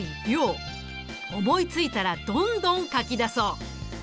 思いついたらどんどん書き出そう。